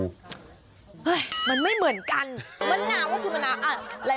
เฮ้ยมันไม่เหมือนกันมะนาวก็คือมะนาวอะไร